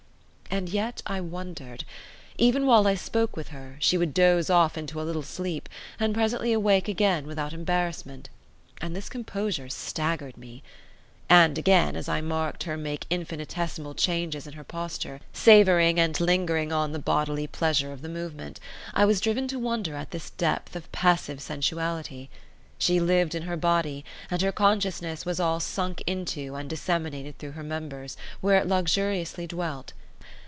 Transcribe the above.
And yet I wondered. Even while I spoke with her, she would doze off into a little sleep, and presently awake again without embarrassment; and this composure staggered me. And again, as I marked her make infinitesimal changes in her posture, savouring and lingering on the bodily pleasure of the movement, I was driven to wonder at this depth of passive sensuality. She lived in her body; and her consciousness was all sunk into and disseminated through her members, where it luxuriously dwelt.